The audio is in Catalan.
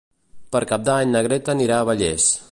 Per Cap d'Any na Greta anirà a Vallés.